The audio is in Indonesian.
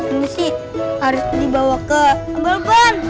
ini sih harus dibawa ke ambalban